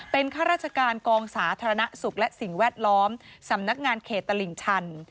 เป็นข้าราชการกองสาธารณสุขและสิ่งแวดล้อมสำนักงานเขตตลิ่งชัน